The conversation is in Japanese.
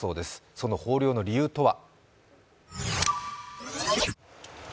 その豊漁の理由とは。